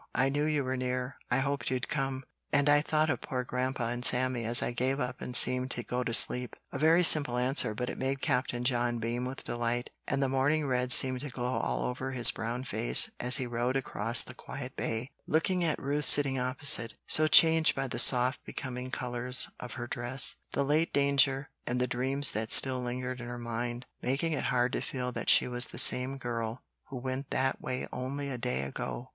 I knew you were near, I hoped you'd come, and I thought of poor Grandpa and Sammy as I gave up and seemed to go to sleep." A very simple answer, but it made Captain John beam with delight; and the morning red seemed to glow all over his brown face as he rowed across the quiet bay, looking at Ruth sitting opposite, so changed by the soft becoming colors of her dress, the late danger, and the dreams that still lingered in her mind, making it hard to feel that she was the same girl who went that way only a day ago.